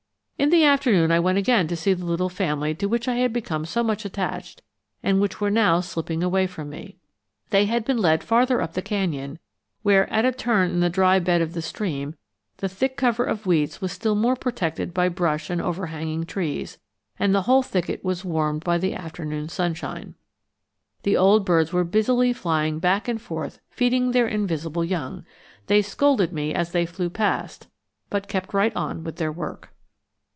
In the afternoon I went again to see the little family to which I had become so much attached and which were now slipping away from me. They had been led farther up the canyon, where, at a turn in the dry bed of the stream, the thick cover of weeds was still more protected by brush and overhanging trees, and the whole thicket was warmed by the afternoon sunshine. The old birds were busily flying back and forth feeding their invisible young. They scolded me as they flew past, but kept right on with their work.